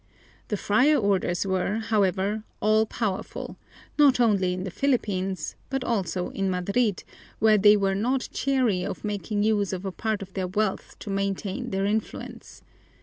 The friar orders were, however, all powerful, not only in the Philippines, but also in Madrid, where they were not chary of making use of a part of their wealth to maintain their influence.